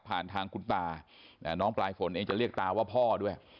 ผ่านทางคุณตาน้องปลายฝนเองจะเรียกตาว่าพ่อด้วย